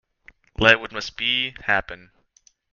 Let what must be, happen.